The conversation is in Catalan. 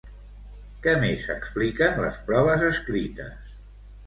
Què més expliquen les proves escrites?